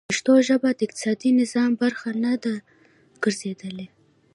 پښتو ژبه د اقتصادي نظام برخه نه ده ګرځېدلې.